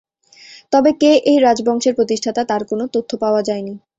তবে কে এই রাজবংশের প্রতিষ্ঠাতা তার কোন তথ্য পাওয়া যায়নি।